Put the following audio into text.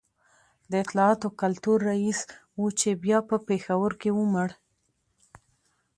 د اطلاعاتو کلتور رئیس و چي بیا په پېښور کي ومړ